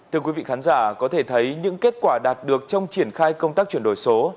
thưa quý vị khán giả có thể thấy những kết quả đạt được trong triển khai công tác chuyển đổi số